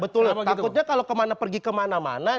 takutnya kalau pergi kemana mana